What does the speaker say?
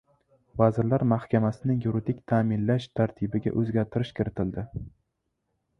Vazirlar Mahkamasining yuridik ta’minlash tartibiga o‘zgartirish kiritildi